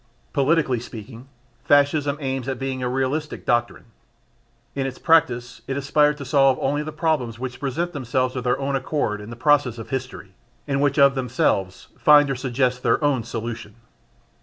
Politically speaking, Fascism aims at being a realistic doctrine; in its practice it aspired to solve only the problems which present themselves of their own accord in the process of history, and which of themselves find or suggest their own solution.